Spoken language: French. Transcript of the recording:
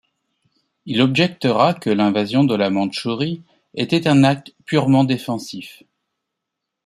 Il objectera que l’invasion de la Mandchourie était un acte purement défensif.